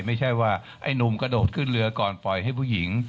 ไม่ใช่ว่าไอ้หนุ่มกระโดดขึ้นเรือก่อนปล่อยให้ผู้หญิง